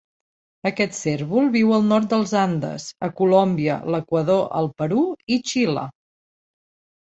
Aquest cérvol viu al nord dels Andes, a Colòmbia, l'Equador, el Perú i Xile.